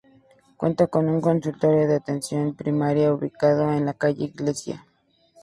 Cuenta con un consultorio de atención primaria ubicado en la calle Iglesia.